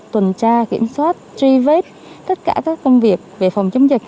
tuần tra kiểm soát truy vết tất cả các công việc về phòng chống dịch